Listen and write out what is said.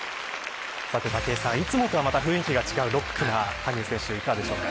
武井さん、いつもとはまた雰囲気が違うロックな羽生選手いかがでしょうか。